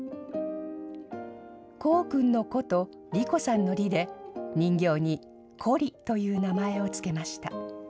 功君のこと、莉心さんのりで、人形に、こりという名前を付けました。